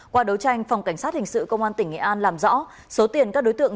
qua đấu tranh phòng cảnh sát hình sự công an tỉnh nghệ an làm rõ số tiền các đối tượng